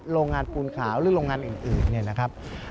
โรงงานปูนขาวหรือโรงงานอื่นเนี่ยนะครับ